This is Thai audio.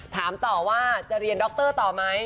ถามต่อว่าจะเรียนดรต่อไหม